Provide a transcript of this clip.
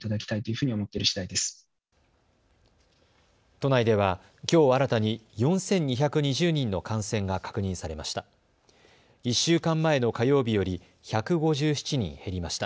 都内ではきょう新たに４２２０人の感染が確認されました。